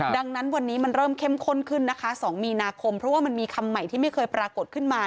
ดังนั้นวันนี้มันเริ่มเข้มข้นขึ้นนะคะ๒มีนาคมเพราะว่ามันมีคำใหม่ที่ไม่เคยปรากฏขึ้นมา